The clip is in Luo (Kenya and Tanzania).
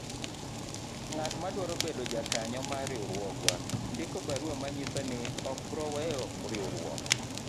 Ng'atma dwaro bedo jakanyo mar riwruogwa ndiko barua manyiso ni okobro weyo riwruok.